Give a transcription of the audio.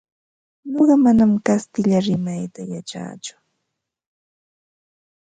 Nuqa manam kastilla rimayta yachatsu.